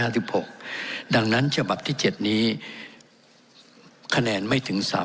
ห้าสิบหกดังนั้นฉบับที่เจ็ดนี้คะแนนไม่ถึงสาม